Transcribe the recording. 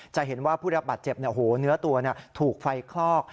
จะเห็นว่าผู้รับบาดเจ็บเนื้อตัวถูกไฟคลอก